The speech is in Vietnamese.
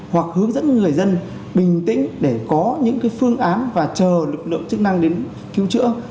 hoặc hướng dẫn người dân bình tĩnh để có những phương án và chờ lực lượng chức năng đến cứu chữa